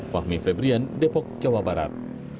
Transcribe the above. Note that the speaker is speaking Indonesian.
fahmi febrian depok jawa barat